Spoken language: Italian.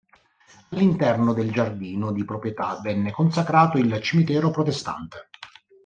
All'interno del giardino di proprietà venne consacrato il cimitero protestante.